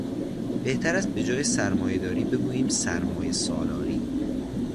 بهتر است به جای سرمایهداری بگوییم سرمایهسالاری